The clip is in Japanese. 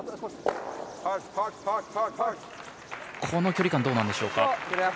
この距離感どうなんでしょうか。